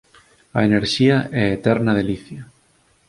A enerxía é eterna delicia.